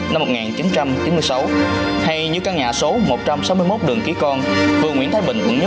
năm một nghìn chín trăm chín mươi sáu hay như căn nhà số một trăm sáu mươi một đường ký con phường nguyễn thái bình quận sáu